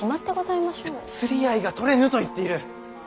釣り合いが取れぬと言っている！